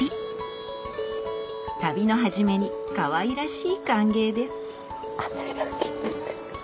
旅の初めにかわいらしい歓迎です